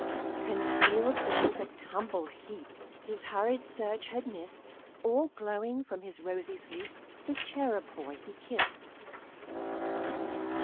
Concealed beneath a mangled heap His hurried search had missed, All glowing from his rosy sleep, His cherub boy he kissed.